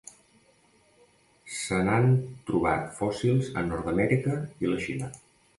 Se n'han trobat fòssils a Nord-amèrica i la Xina.